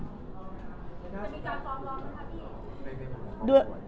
เป็นมีการฟ้องร้องหรือคะพี่